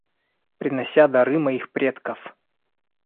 Принося дары моих предков,.